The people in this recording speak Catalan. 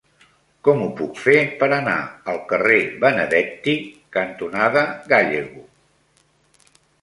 Com ho puc fer per anar al carrer Benedetti cantonada Gállego?